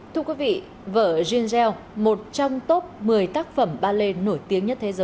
thưa quý vị vở jean gell một trong top một mươi tác phẩm ballet nổi tiếng nhất